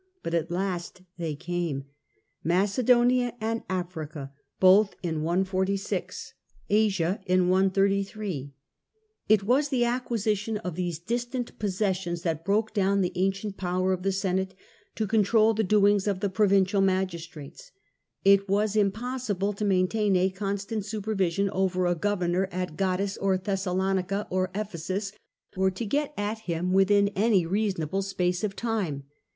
But at last they came, Macedonia and Africa both in 146, 0 LATER DAYS OF THE ROMAN REPUBLIC Asia in 133. It was the acquisition of these distant pos sessions that broke down the ancient power of the Senate to control the doings of the provincial magistrates. It was impossible to maintain a constant supervision over a governor at Gades, or Thessalonica, or Ephesus, or to get at him within any reasonable space of time.